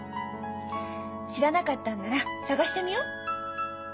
知らなかったんなら探してみよう。